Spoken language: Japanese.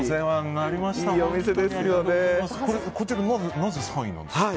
こちらなぜ３位なんですか？